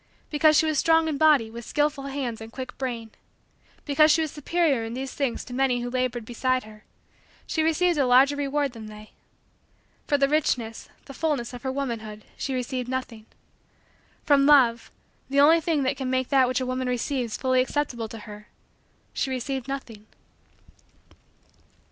Because she was strong in body with skillful hands and quick brain; because she was superior in these things to many who labored beside her; she received a larger reward than they. For the richness, the fullness, of her womanhood, she received nothing. From love, the only thing that can make that which a woman receives fully acceptable to her, she received nothing.